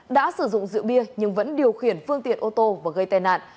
đã sử dụng rượu bia nhưng vẫn điều khiển phương tiện ô tô và gây tai nạn